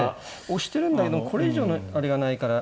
押してるんだけどもこれ以上のあれがないから。